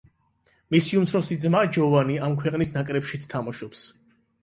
მისი უმცროსი ძმა, ჯოვანი, ამ ქვეყნის ნაკრებშიც თამაშობს.